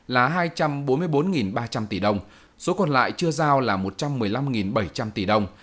là hai trăm bốn mươi bốn ba trăm linh tỷ đồng số còn lại chưa giao là một trăm một mươi năm bảy trăm linh tỷ đồng